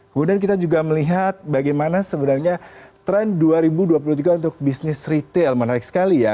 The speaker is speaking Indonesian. kemudian kita juga melihat bagaimana sebenarnya tren dua ribu dua puluh tiga untuk bisnis retail menarik sekali ya